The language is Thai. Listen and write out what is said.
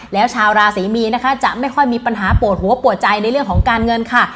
แล้วชาวราศรีมีนนะคะจะไม่ค่อยมีปัญหาปวดหัวปวดใจในเรื่องของการเงินค่ะ